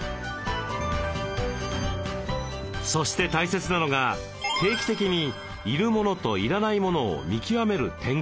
そして大切なのが定期的に要るモノと要らないモノを見極める点検。